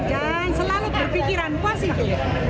dan selalu berpikiran puas itu